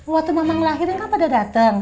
waktu mama ngelahirin kenapa udah dateng